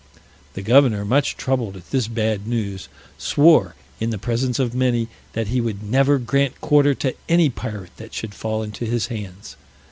The governor, much troubled at this bad news, swore, in the presence of many, that he would never grant quarter to any pirate that should fall into his hands.